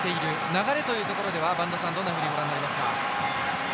流れというところでは播戸さん、どんなふうにご覧になりますか？